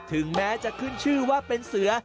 ถึงแม้จะขึ้นชื่อว่าเป็นเสือ